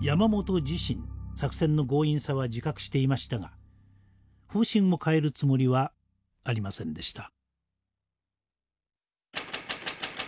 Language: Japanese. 山本自身作戦の強引さは自覚していましたが方針を変えるつもりはありませんでした。